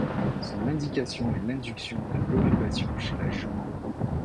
Son indication est l'induction de l'ovulation chez la jument.